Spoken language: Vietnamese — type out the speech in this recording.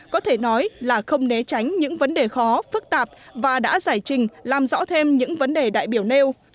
có thể nói là không né tránh những vấn đề khó phức tạp và đã giải trình làm rõ thêm những vấn đề đại biểu nêu